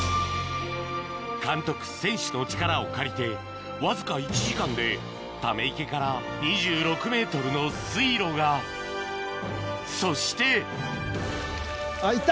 監督選手の力を借りてわずか１時間でため池から２６ｍの水路がそして行った！